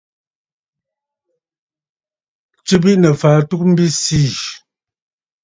Tswe biʼinə̀ fàa ɨtugə mbi siì.